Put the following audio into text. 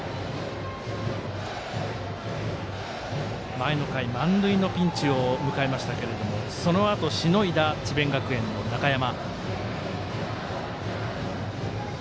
前の回、満塁のピンチを迎えましたけれどもそのあとしのいだ智弁学園の中山。